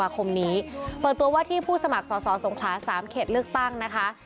คมนี้เปิดตัวว่าที่ผู้สมัครสอสอสงขลา๓เขตเลือกตั้งนะคะ